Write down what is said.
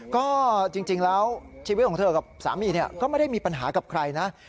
ก็จริงแล้วชีวิตของเธอกับสามีก็ไม่ได้มีปัญหากับใครนะ